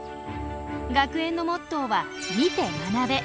学園のモットーは「見て学べ」。